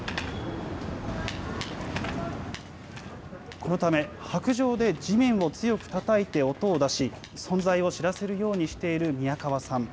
このため、白杖で地面を強くたたいて音を出し、存在を知らせるようにしている宮川さん。